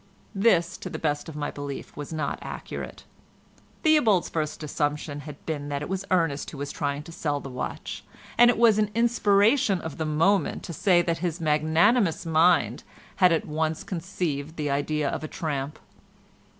This to the best of my belief was not accurate. Theobald's first assumption had been that it was Ernest who was trying to sell the watch, and it was an inspiration of the moment to say that his magnanimous mind had at once conceived the idea of a tramp.